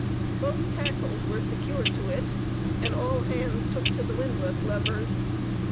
Both tackles were secured to it and all hands took to the windlass levers.